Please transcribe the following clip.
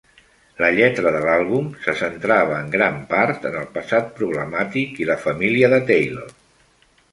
La lletra de l'àlbum se centrava en gran part en el passat problemàtic i la família de Taylor.